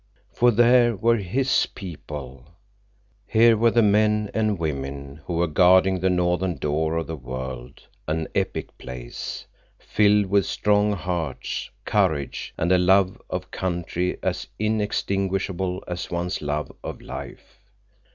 For here were his people. Here were the men and women who were guarding the northern door of the world, an epic place, filled with strong hearts, courage, and a love of country as inextinguishable as one's love of life.